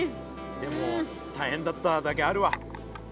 でも大変だっただけあるわ。